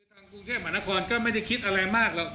กรุงเทพมหานครก็ไม่ได้คิดอะไรมากหรอก